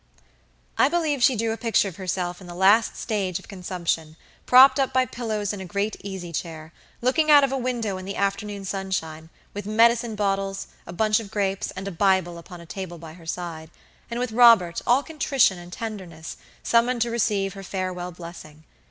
I believe she drew a picture of herself in the last stage of consumption, propped up by pillows in a great easy chair, looking out of a window in the afternoon sunshine, with medicine bottles, a bunch of grapes and a Bible upon a table by her side, and with Robert, all contrition and tenderness, summoned to receive her farewell blessing.